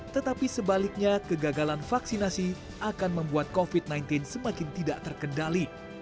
tetapi sebaliknya kegagalan vaksinasi akan membuat covid sembilan belas semakin tidak terkendali